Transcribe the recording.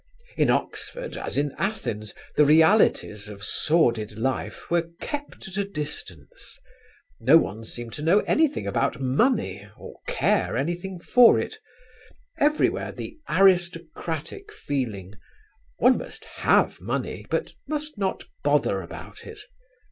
In Oxford, as in Athens, the realities of sordid life were kept at a distance. No one seemed to know anything about money or care anything for it. Everywhere the aristocratic feeling; one must have money, but must not bother about it.